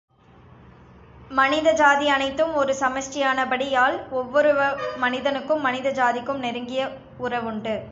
மனித ஜாதி அனைத்தும் ஒரு சமஷ்டியானபடியால் ஒவ்வொரு மனிதனுக்கும் மனித ஜாதிக்கும் நெருங்கிய உறவுண்டு.